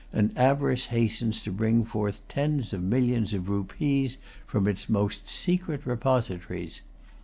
and avarice hastens to bring forth tens of millions of rupees from its most secret repositories.